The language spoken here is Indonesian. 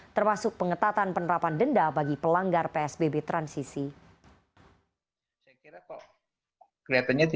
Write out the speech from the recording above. termasuk pengetatan penerapan denda bagi pelanggar psbb transisi